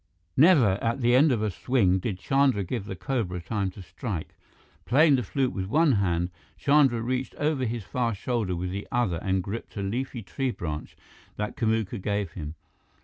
Never, at the end of a swing, did Chandra give the cobra time to strike. Playing the flute with one hand, Chandra reached over his far shoulder with the other and gripped a leafy tree branch that Kamuka gave him.